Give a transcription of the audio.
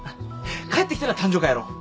帰ってきたら誕生会やろう。